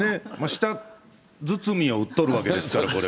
舌鼓を打っとるわけですから、これは。